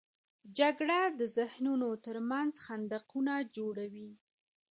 جګړه د ذهنونو تر منځ خندقونه جوړوي